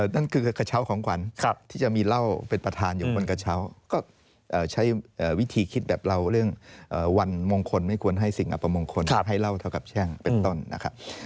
นั่นคือกระเช้าของขวัญที่จะมีเหล้าเป็นประธานอยู่บนกระเช้าก็ใช้วิธีคิดแบบเราเรื่องวันมงคลไม่ควรให้สิ่งอัปมงคลให้เล่าเท่ากับแช่งเป็นต้นนะครับ